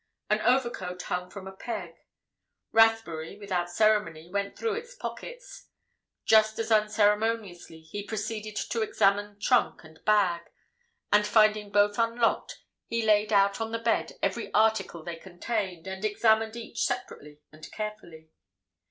An overcoat hung from a peg: Rathbury, without ceremony, went through its pockets; just as unceremoniously he proceeded to examine trunk and bag, and finding both unlocked, he laid out on the bed every article they contained and examined each separately and carefully.